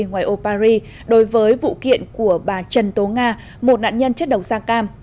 ngoài âu paris đối với vụ kiện của bà trần tố nga một nạn nhân chết đầu sang cam